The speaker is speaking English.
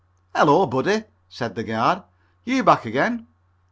"Hello, buddy," said the guard, "you back again?